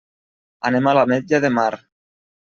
Anem a l'Ametlla de Mar.